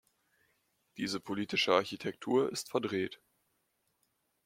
Diese politische Architektur ist verdreht.